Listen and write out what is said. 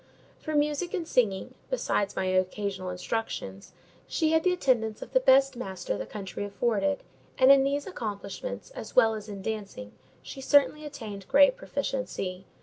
For music and singing, besides my occasional instructions, she had the attendance of the best master the country afforded; and in these accomplishments, as well as in dancing, she certainly attained great proficiency.